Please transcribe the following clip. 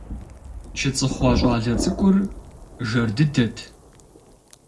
ЧыцӀыхъуэ щӀалэ цӀыкӀур жэр дыдэт.